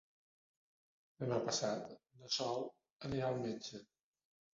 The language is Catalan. Demà passat na Sol anirà al metge.